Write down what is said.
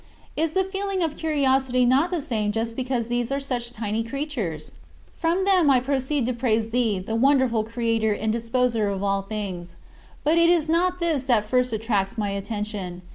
Is the feeling of curiosity not the same just because these are such tiny creatures? From them I proceed to praise thee, the wonderful Creator and Disposer of all things; but it is not this that first attracts my attention.